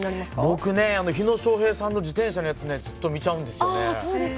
僕ね、火野正平さんの自転車のやつずっと見ちゃうんですよね。